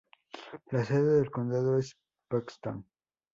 La sede del condado es Paxton.